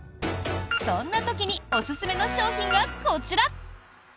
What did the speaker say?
そんな時におすすめの商品がこちら。